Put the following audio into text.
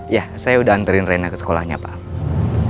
ya saya udah anterin rena ke sekolahnya pak